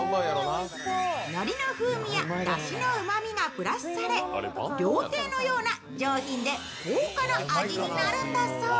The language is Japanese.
のりの風味やだしのうまみがプラスされ料亭のような上品で豪華な味になるんだそう。